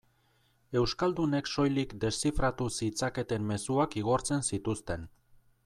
Euskaldunek soilik deszifratu zitzaketen mezuak igortzen zituzten.